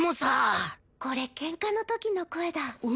これケンカの時の声だ。